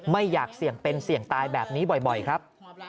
ไม่อยากเสี่ยงเป็นเสี่ยงตายแบบนี้บ่อยครับ